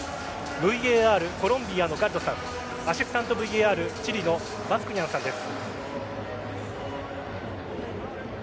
ＶＡＲ、コロンビアのガッロさんアシスタントＶＡＲチリのバスクニャンさんです。